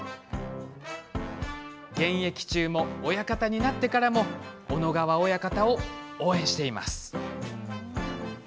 現役中も、親方になってからも小野川親方を応援しています！